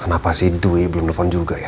kenapa sih dwi belum nelfon juga ya